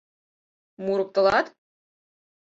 Мурыктылат?